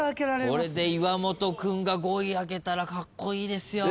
これで岩本君が５位開けたらカッコイイですよ。